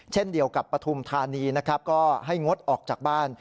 เช่นเดียวกับปฐุมธานีนะครับก็ให้งดออกจากบ้าน